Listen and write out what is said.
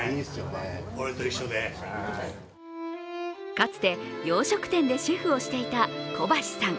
かつて洋食店でシェフをしていた小橋さん。